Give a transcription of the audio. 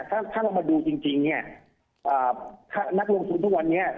ถ้าถ้าเรามาดูจริงจริงเนี่ยอ่าถ้านักลงทุนทุกวันนี้